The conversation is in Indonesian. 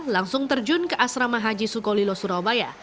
langsung terjun ke asrama haji sukolilo surabaya